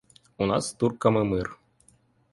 У нас з турками мир.